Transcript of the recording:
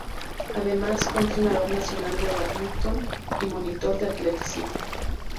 Además fue entrenador nacional de bádminton y monitor de atletismo.